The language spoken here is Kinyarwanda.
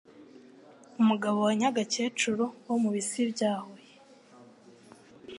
umugabo wa Nyagakecuru wo mu Bisi bya Huye.